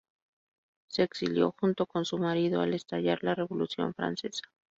Se exilió junto con su marido al estallar la Revolución francesa.